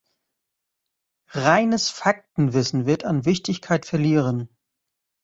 Reines Faktenwissen wird an Wichtigkeit verlieren.